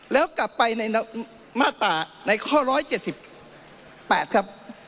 แล้วกลับไปในมาตราในข้อ๑๗๘ครับ